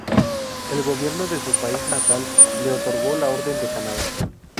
El Gobierno de su país natal le otorgó la Orden de Canadá.